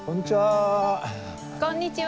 こんにちは。